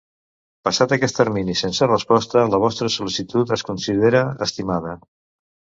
Passat aquest termini sense resposta la vostra sol·licitud es considera estimada.